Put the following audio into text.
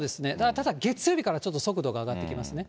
ただ月曜日からちょっと速度が上がってきますね。